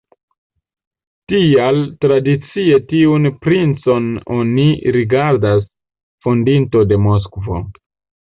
Tial tradicie tiun princon oni rigardas fondinto de Moskvo.